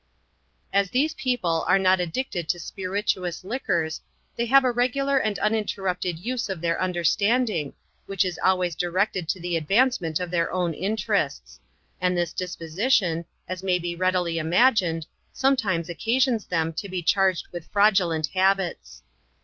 As these people are not addicted to spirituous liquors, they have a regular and uninterrupted use of their understanding, which is always directed to the advancement of their own interests; and this disposition, as may be readily imagined, sometimes occasions them to be charged with fraudulent hab its.